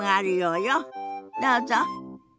どうぞ。